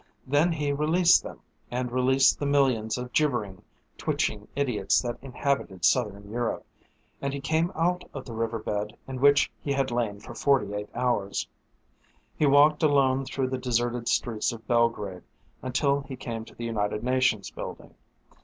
Then he released them, and released the millions of gibbering, twitching idiots that inhabited Southern Europe, and he came out of the river bed in which he had lain for forty eight hours. He walked alone through the deserted streets of Belgrade until he came to the United Nations building.